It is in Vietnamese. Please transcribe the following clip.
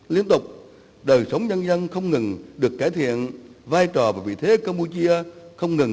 liên tục đời sống nhân dân không ngừng được cải thiện vai trò và vị thế campuchia không ngừng